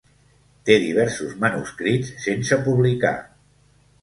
Té diversos manuscrits sense publicar.